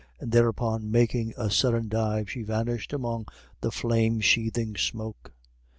And thereupon, making a sudden dive, she vanished among the flame sheathing smoke.